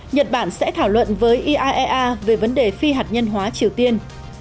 nhật bản sẽ thảo luận với iaea về vấn đề phi hạt nhân hóa triều tiên